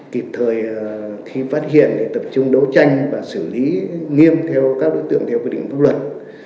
kịp thời khi phát hiện để tập trung đấu tranh và xử lý nghiêm theo các đối tượng theo quy định pháp luật